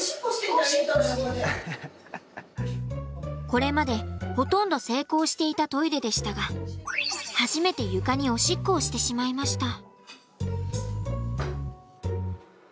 これまでほとんど成功していたトイレでしたが初めて床におしっこをしてしまいました。